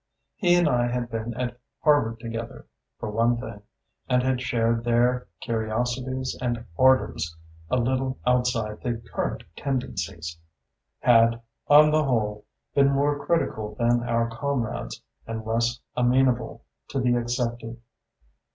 He and I had been at Harvard together, for one thing, and had shared there curiosities and ardours a little outside the current tendencies: had, on the whole, been more critical than our comrades, and less amenable to the accepted.